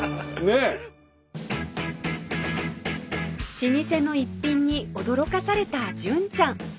老舗の逸品に驚かされた純ちゃん